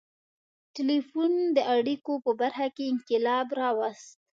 • ټیلیفون د اړیکو په برخه کې انقلاب راوست.